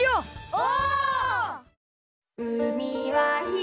お！